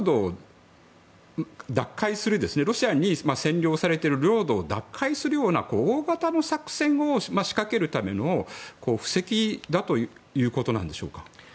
ロシアに占領されている領土を奪回するような大型の作戦を仕掛けるための布石ということなんでしょうか。